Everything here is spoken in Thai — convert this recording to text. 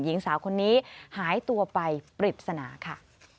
หญิงสาวคนนี้หายตัวไปปริศนาค่ะ